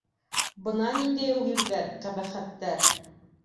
Бына ниндәй ул ирҙәр, ҡәбәхәттәр!